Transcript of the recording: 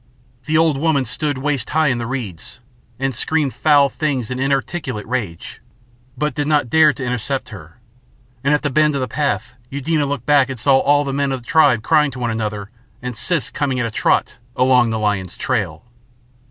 The old woman stood waist high in the reeds, and screamed foul things and inarticulate rage, but did not dare to intercept her; and at the bend of the path Eudena looked back and saw all the men of the tribe crying to one another and Siss coming at a trot along the lion's trail.